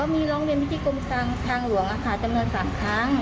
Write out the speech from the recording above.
มีร้องเรียนพิธีกรมทางหลวงอ่ะค่ะดำเนิน๓ครั้ง